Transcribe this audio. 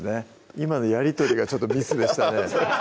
今のやり取りがミスでしたね